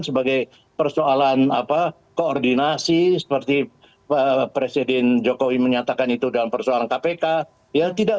sebagai persoalan apa koordinasi seperti presiden jokowi menyatakan itu dalam persoalan kpk ya tidak